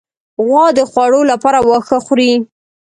غوا د خوړو لپاره واښه خوري.